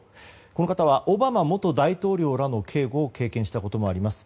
この方はオバマ元大統領らの警護を経験したこともあります。